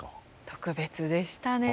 特別でしたね。